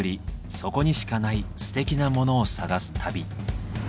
そこにしかないステキなモノを探す旅。